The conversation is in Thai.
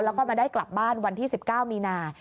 แล้วก็มาได้กลับบ้านวันที่๑๙มีนา